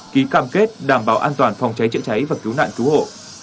ký cam kết đảm bảo an toàn phòng cháy chữa cháy và cứu nạn cứu hộ